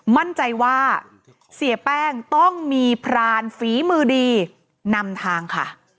มั่นใจว่าเสียแป้งต้องมีพรานฝีมือดีนำทางค่ะ